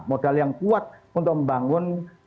modal yang kuat untuk membangun jaringan di jepang